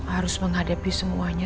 harus menghadapi semuanya